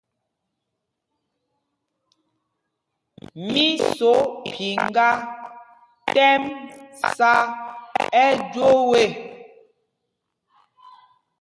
Mí sǒ phiŋgā tɛ́m sá ɛjwōō ê.